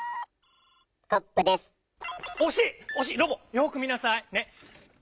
よく見なさい。ね。